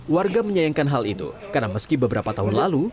warga menyayangkan hal itu karena meski beberapa tahun lalu